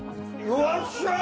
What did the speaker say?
「よっしゃ！」